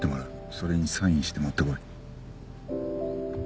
それにサインして持ってこい。